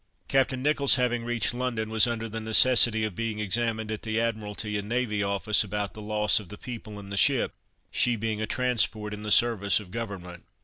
Captain Nicholls having reached London, was under the necessity of being examined at the Admiralty and Navy Office, about the loss of the people and the ship, she being a transport in the service of government.